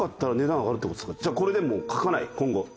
じゃあこれでもう描かない今後。